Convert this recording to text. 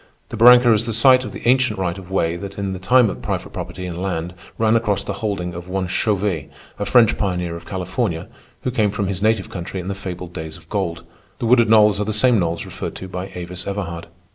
The barranca is the site of the ancient right of way that in the time of private property in land ran across the holding of one Chauvet, a French pioneer of California who came from his native country in the fabled days of gold. The wooded knolls are the same knolls referred to by Avis Everhard.